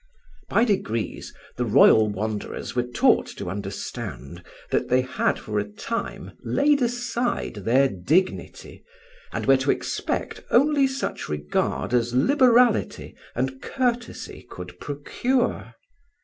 By degrees the royal wanderers were taught to understand that they had for a time laid aside their dignity, and were to expect only such regard as liberality and courtesy could procure.